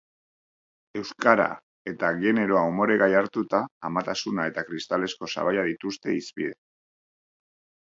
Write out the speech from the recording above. Euskara eta generoa umoregai hartuta, amatasuna eta kristalezko sabaia dituzte hizpide.